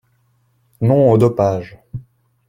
Non au dopage